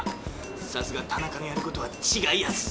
さすが田中のやることは違いやすぜ。